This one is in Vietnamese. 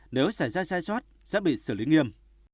nếu xảy ra sai sót sẽ bị xử lý nghiêm